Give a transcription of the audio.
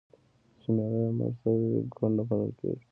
چي میړه یې مړ سوی وي، کونډه بلل کیږي.